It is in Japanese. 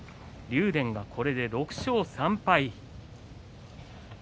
竜電はこれで６勝３敗。